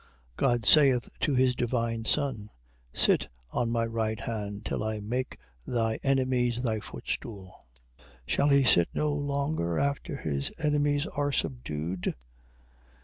God saith to his divine Son: Sit on my right hand till I make thy enemies thy footstool. Shall he sit no longer after his enemies are subdued?